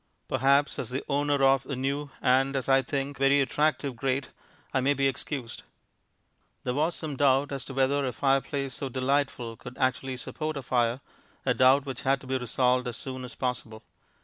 Perhaps as the owner of a new and (as I think) very attractive grate I may be excused. There was some doubt as to whether a fireplace so delightful could actually support a fire, a doubt which had to be resolved as soon as possible.